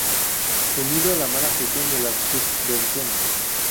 unido a la mala gestión de las subvenciones